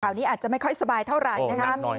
นี้อาจจะไม่ค่อยสบายเท่าไหร่นะครับ